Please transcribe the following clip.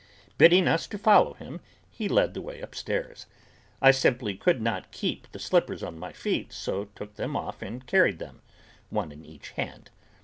Bidding us follow him he led the way upstairs. I simply could not keep the slippers on my feet so took them off and carried them, one in each hand.